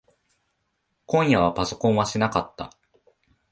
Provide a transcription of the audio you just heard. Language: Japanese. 今夜はパソコンはしなかった。